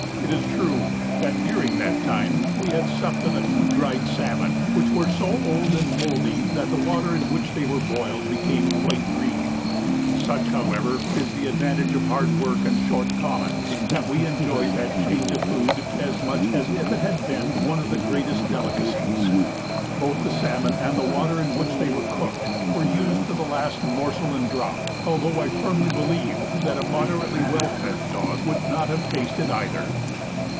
It is true that during that time we had supped on a few dried salmon, which were so old and mouldy that the water in which they were boiled became quite green. Such, however, is the advantage of hard work and short commons, that we enjoyed that change of food as much as if it had been one of the greatest delicacies. Both the salmon, and the water in which they were cooked, were used to the last morsel and drop, although I firmly believe that a moderately well fed dog would not have tasted either.